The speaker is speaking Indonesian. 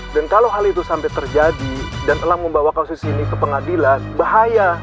dan kalo hal itu sampe terjadi dan elang membawa kaos ini ke pengadilan bahaya